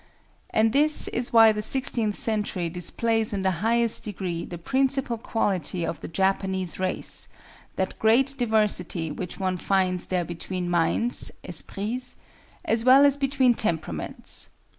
And this is why the sixteenth century displays in the highest degree the principal quality of the Japanese race, that great diversity which one finds there between minds (esprits) as well as between temperaments.